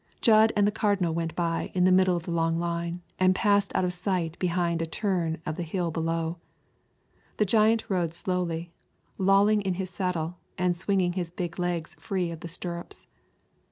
Jud and the Cardinal went by in the middle of the long line and passed out of sight behind a turn of the hill below. The giant rode slowly, lolling in his saddle and swinging his big legs free of the stirrups.